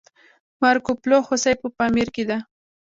د مارکوپولو هوسۍ په پامیر کې ده